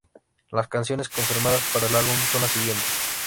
Las canciones confirmadas para el álbum son las siguientes.